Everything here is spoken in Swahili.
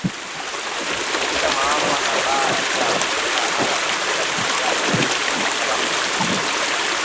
vita maafa na baa la njaa pamoja na hata uvutaji sigara na hivyo kusababisha